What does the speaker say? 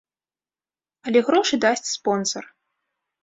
Але грошы дасць спонсар.